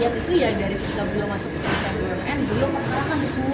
tetapi kalau kompetensi beliau kita semua sudah tahu